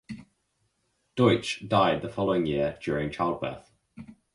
Deutsch died the following year during childbirth.